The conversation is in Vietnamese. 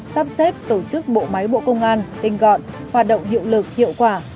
sắp xếp tổ chức bộ máy bộ công an tinh gọn hoạt động hiệu lực hiệu quả